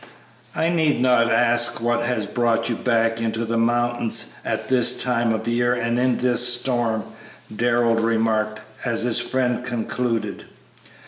"I need not ask what has brought you back into the mountains at this time of year and in this storm," Darrell remarked, as his friend concluded.